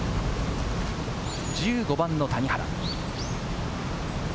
１５番の谷原。